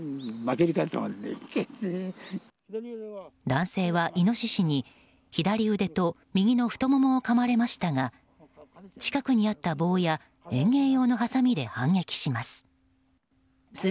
男性はイノシシに左腕と右の太ももをかまれましたが近くにあった棒や園芸用のはさみで反撃します。